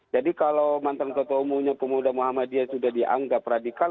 jadi kalau mantan ketua umumnya pemuda muhammadiyah sudah dianggap radikal